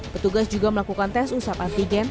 petugas juga melakukan tes usap antigen